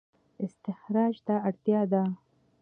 استخراج ته اړتیا ده